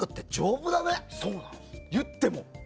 言っても。